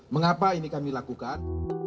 mengapa ini kami lakukan